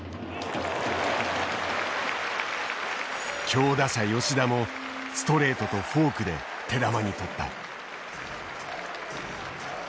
強打者吉田もストレートとフォークで手玉に取った。